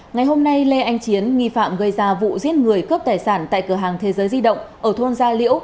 ngày hôm nay lê anh chiến nghi phạm gây ra vụ giết người cướp tài sản tại cửa hàng thế giới di động ở thôn gia liễu